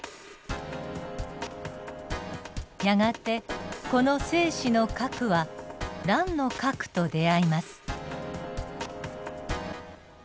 やがてこの精子の核は卵の核と出会います。